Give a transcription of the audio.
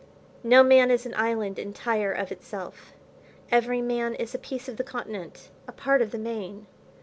No man is an island, entire of itself; every man is a piece of the continent, a part of the main.